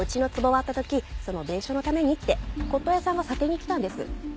割った時その弁償のためにって骨董屋さんが査定に来たんです。